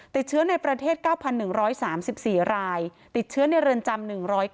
ติดเชื้อในประเทศ๙๑๓๔รายติดเชื้อในเรือนจำ๑๙